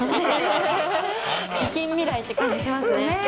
近未来って感じしますね。